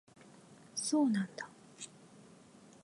そうなんだ